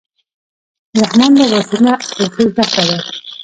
د رحمان بابا شعرونه اخلاقي زده کړه ده.